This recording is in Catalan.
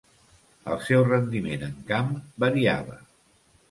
El seu rendiment en camp variava.